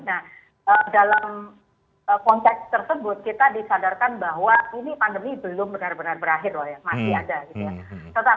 nah dalam konteks tersebut kita disadarkan bahwa ini pandemi belum benar benar berakhir loh ya masih ada gitu ya